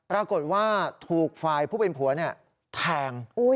ปรากฏว่าถูกฝ่ายผู้เป็นผัวแทง